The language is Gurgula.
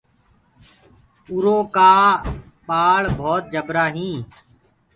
اُرو ڪآ ٻآݪ ڀوت جبرآ هينٚ۔